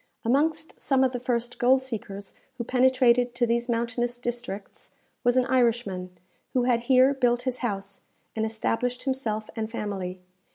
Amongst some of the first gold seekers who penetrated to these mountainous districts, was an Irishman, who had here built his house, and established himself and family.